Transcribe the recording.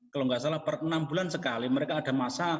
kalau nggak salah per enam bulan sekali mereka ada masa